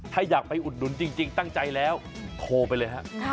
ถ้าอยากไปอุดหนุนจริงจริงตั้งใจแล้วโคไปเลยฮะครับ